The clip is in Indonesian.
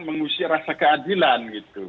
mengusir rasa keadilan